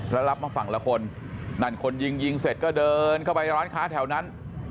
แล้วรับมาฝั่งละคนนั่นคนยิงยิงเสร็จก็เดินเข้าไปร้านค้าแถวนั้น